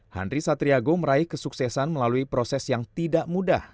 henry satriago meraih kesuksesan melalui proses yang tidak mudah